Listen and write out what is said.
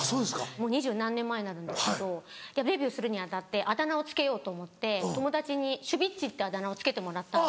もう２０何年前になるんですけどデビューするに当たってあだ名を付けようと思って友達にシュビッチってあだ名を付けてもらったんですけど。